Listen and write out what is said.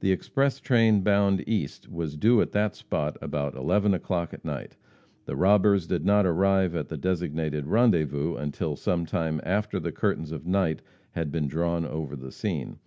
The express train bound east was due at that spot about 11 o'clock at night. The robbers did not arrive at the designated rendezvous until some time after the curtains of night had been drawn over the scene.